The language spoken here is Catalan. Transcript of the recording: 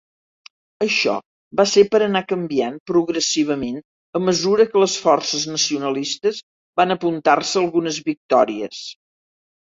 Això va ser per anar canviant progressivament a mesura que les forces nacionalistes van apuntar-se algunes victòries.